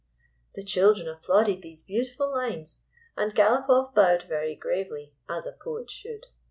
The children applauded these beautiful lines, and Galopoff bowed very gravely, as a poet should.